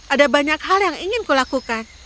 ada banyak hal yang ingin kulakukan